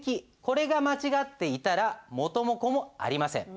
これが間違っていたら元も子もありません。